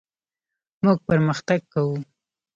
موږ پرمختګ کوو.